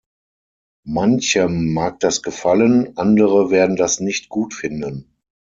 Manchem mag das gefallen, andere werden das nicht gut finden.